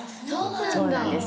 そうなんだ。